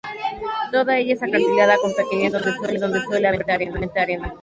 Toda ella es acantilada con pequeñas calas en donde suele haber, normalmente, arena.